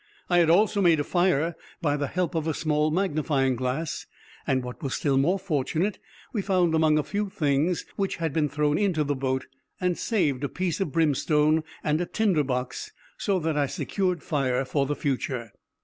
I had also made a fire by the help of a small magnifying glass; and, what was still more fortunate, we found among a few things which had been thrown into the boat, and saved, a piece of brimstone and a tinder box, so that I secured fire for the future.